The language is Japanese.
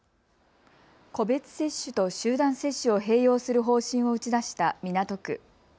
個別接種と集団接種を併用する方針を打ち出した港区。